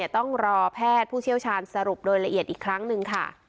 ต้องรอแพทย์ผู้เชี่ยวชาญสรุปโดยละเอียดอีกครั้งหนึ่งค่ะ